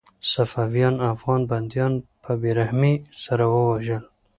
صفویانو افغان بندیان په بې رحمۍ سره ووژل.